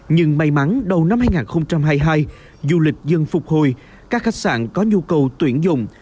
nhưng may mắn đầu năm hai nghìn hai mươi hai du lịch dần phục hồi các khách sạn có nhu cầu tuyển dụng